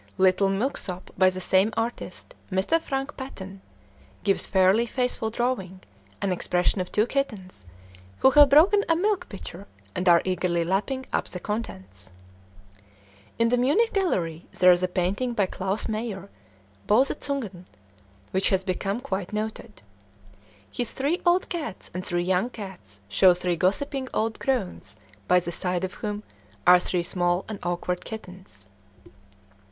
"Little Milksop" by the same artist, Mr. Frank Paton, gives fairly faithful drawing and expression of two kittens who have broken a milk pitcher and are eagerly lapping up the contents. In the Munich Gallery there is a painting by Claus Meyer, "Bose Zungen," which has become quite noted. His three old cats and three young cats show three gossiping old crones by the side of whom are three small and awkward kittens.